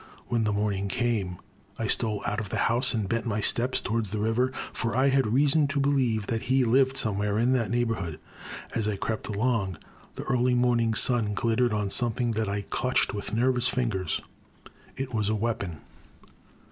When the morning came I stole out of the house and bent my steps towards the river, for I had reason to believe that he lived somewhere in that neighbourhood. As I crept along, the early morning sun glittered on something that I clutched with nervous fingers. It was a weapon.